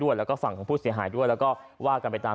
วิ่งไปตี